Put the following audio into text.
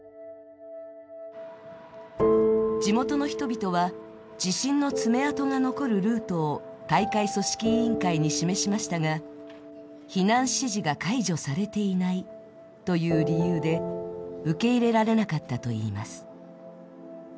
地元の人々は、地震の爪痕が残るルートを大会組織委員会に示しましたが避難指示が解除されていないという理由で受け入れられなかったといいます。